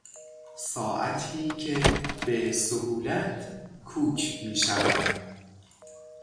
ساعتی که به سهولت کوک میشود